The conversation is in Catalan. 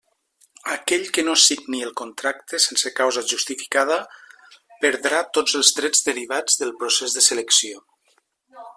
Aquell que no signi el contracte sense causa justificada, perdrà tots els drets derivats del procés de selecció.